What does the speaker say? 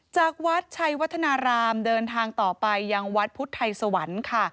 จากวัดชัยวัฒนารามเดินทางต่อไปยังวัดพุทธไทยสวรรค์ค่ะ